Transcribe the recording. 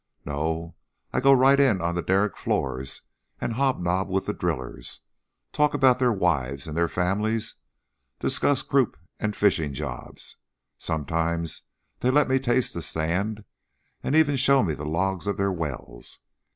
No. I go right in on the derrick floors and hobnob with the drillers, talk about their wives and their families, discuss croup and fishing jobs; sometimes they let me taste the sand and even show me the logs of their wells.